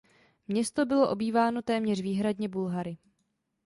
Město bylo obýváno téměř výhradně Bulhary.